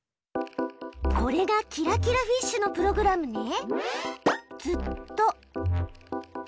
これがキラキラフィッシュのプログラムね！